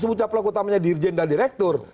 sebutnya pelaku utamanya dirjen dan direktur